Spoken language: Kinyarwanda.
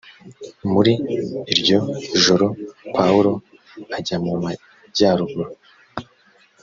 muri iryo joro pawulo ajyamumajyaruguru.